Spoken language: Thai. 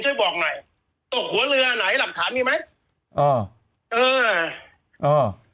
ช่วยบอกหน่อยตกหัวเรือไหนหลักฐานมีไหมอ๋อเอออ๋อ